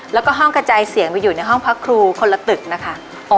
แล้วก็ห้องกระจายเสียงไปอยู่ในห้องพักครูคนละตึกนะคะ